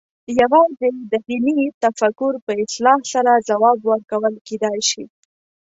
یوازې د دیني تفکر په اصلاح سره ځواب ورکول کېدای شي.